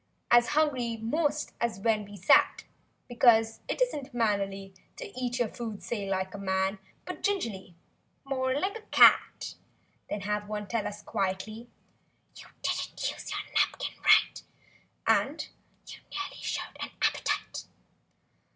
As hungry 'most as when we sat; Because it isn't mannerly To eat your food say like a man. But gingerly—more like a cat. Then have one tell us quietly— "You didn't use your napkin right." And "you nearly showed an appetite!"